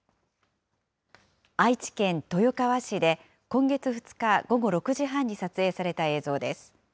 愛知県豊川市で、今月２日午後６時半に撮影された映像です。